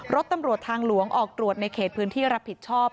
รถตำรวจทางหลวงออกตรวจในเขตพื้นที่รับผิดชอบ